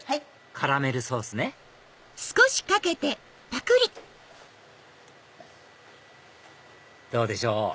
カラメルソースねどうでしょう？